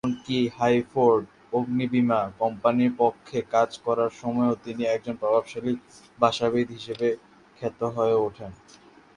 এমনকী হার্টফোর্ড অগ্নি বীমা কোম্পানির পক্ষে কাজ করার সময়েও তিনি একজন প্রভাবশালী ভাষাবিদ হিসেবে খ্যাত হয়ে ওঠেন।